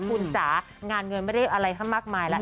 คุณจ๋างานเงินไม่ได้อะไรทั้งมากมายแล้ว